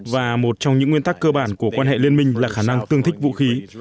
và một trong những nguyên tắc cơ bản của quan hệ liên minh là khả năng tương thích vũ khí